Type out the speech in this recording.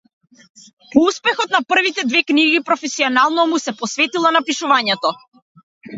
По успехот на првите две книги професионално му се посветила на пишувањето.